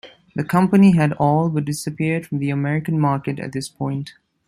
The company had all but disappeared from the American market at this point.